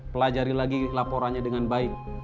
pelajari lagi laporannya dengan baik